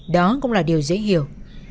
đó cũng là điều dễ hiểu